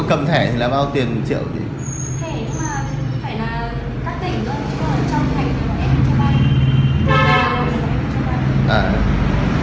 ví dụ như phải là các tỉnh thôi chứ không phải trong thành phố mà em cho vay